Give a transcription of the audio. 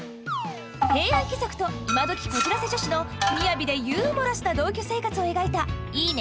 平安貴族と今どきこじらせ女子の雅でユーモラスな同居生活を描いた「いいね！